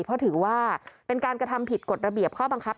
เพราะถือว่าเป็นการกระทำผิดกฎระเบียบข้อบังคับ